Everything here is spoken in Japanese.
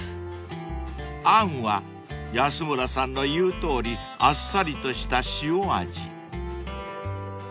［あんは安村さんの言うとおりあっさりとした塩味］